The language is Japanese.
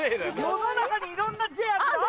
世の中にいろんな「Ｊ」ある。